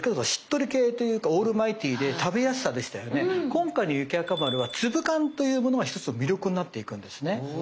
今回の雪若丸は粒感というものが一つの魅力になっていくんですね。